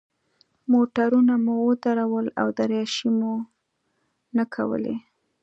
موټرونه مو ودرول او دریشۍ مو نه کولې.